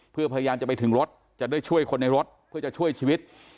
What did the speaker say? เพื่อพยายามจะไปถึงรถจะได้ช่วยคนในรถเพื่อจะช่วยชีวิต